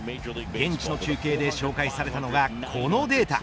現地の中継で紹介されたのがこのデータ。